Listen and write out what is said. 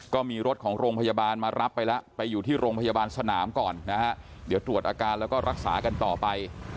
ก็มีรถของโรงพยาบาลมารับไปแล้วไปอยู่ที่โรงพยาบาลสนามก่อนนะฮะเดี๋ยวตรวจอาการแล้วก็รักษากันต่อไป